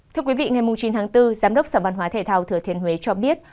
thưa quý vị ngày chín tháng bốn giám đốc sở văn hóa thể thao thừa thiên huế cho biết